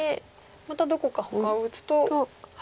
またどこかほかを打つと。